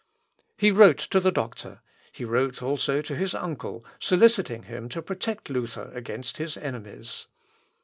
He wrote to the doctor, he wrote also to his uncle, soliciting him to protect Luther against his enemies.